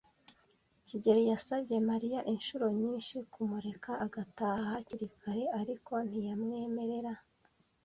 kigeli yasabye Mariya inshuro nyinshi kumureka agataha hakiri kare, ariko ntiyamwemerera.